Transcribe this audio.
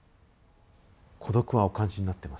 孤独はお感じになってましたか？